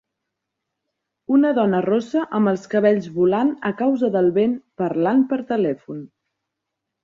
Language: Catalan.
Una dona rossa amb els cabells volant a causa del vent parlant per telèfon